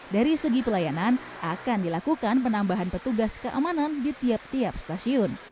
dari segi pelayanan akan dilakukan penambahan petugas keamanan di tiap tiap stasiun